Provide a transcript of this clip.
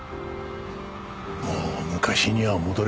もう昔には戻れないが。